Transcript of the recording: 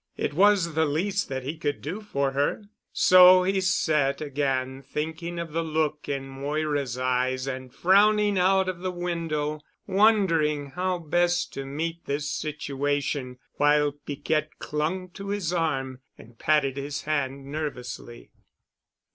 It was the least that he could do for her; so he sat again thinking of the look in Moira's eyes and frowning out of the window, wondering how best to meet this situation, while Piquette clung to his arm and patted his hand nervously.